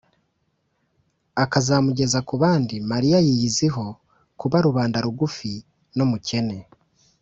akazamugeza ku bandi. mariya yiyiziho kubarubanda rugufi n’umukene,